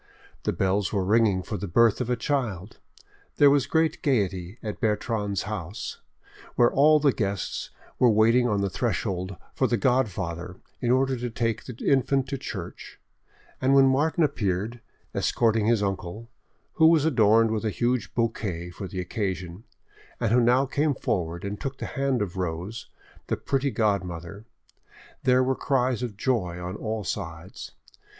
The bells were ringing for the birth of a child, there was great gaiety at Bertrande's house, where all the guests were waiting on the threshold for the godfather in order to take the infant to church, and when Martin appeared, escorting his uncle, who was adorned with a huge bouquet for the occasion, and who now came forward and took the hand of Rose, the pretty godmother, there were cries of joy on all sides.